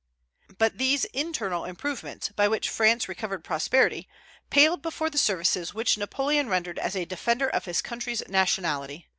But these internal improvements, by which France recovered prosperity, paled before the services which Napoleon rendered as a defender of his country's nationality.